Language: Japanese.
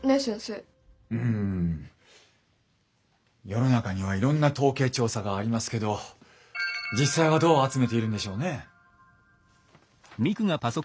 世の中にはいろんな統計調査がありますけど実際はどう集めているんでしょうね？